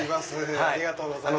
ありがとうございます。